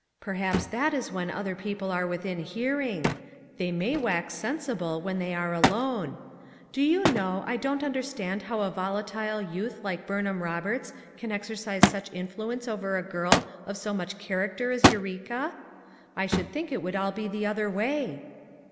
"Perhaps that is when other people are with in hearing; they may wax sensible when they are alone. Do you know, I don't understand how a volatile youth like Burnham Roberts can exercise much influence over a girl of so much character as Eureka? I should think it would all be the other way."